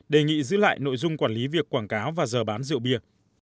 đề nghị giữ lại nội dung quản lý việc quảng cáo và giờ bán rượu bia